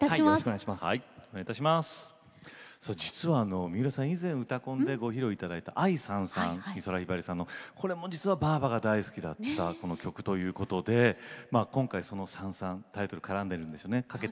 実は三浦さん以前、「うたコン」でご披露いただいた「愛燦燦」、美空ひばりさんの。これも実は、ばあばが大好きだった曲ということで今回「燦燦」タイトルにかけてるんでしょうね。